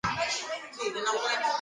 Van tenir una bona relació les dues?